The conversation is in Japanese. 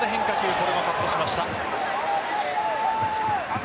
これもカットしました。